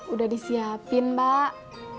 udah disiapin mbak